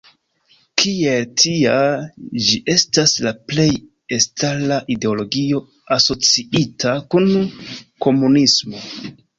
Kiel tia, ĝi estas la plej elstara ideologio asociita kun komunismo.